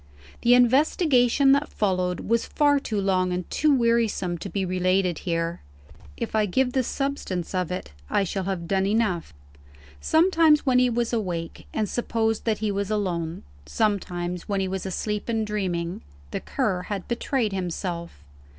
The investigation that followed was far too long and too wearisome to be related here. If I give the substance of it, I shall have done enough. Sometimes when he was awake, and supposed that he was alone sometimes when he was asleep and dreaming the Cur had betrayed himself.